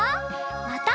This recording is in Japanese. また。